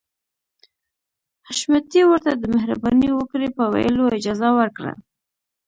حشمتي ورته د مهرباني وکړئ په ويلو اجازه ورکړه.